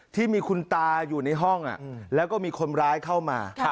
ที่มีคุณตาอยู่ในห้องแล้วก็มีคนร้ายเข้ามา